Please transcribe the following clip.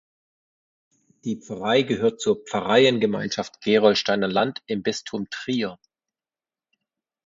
Die Pfarrei gehört zur Pfarreiengemeinschaft Gerolsteiner Land im Bistum Trier.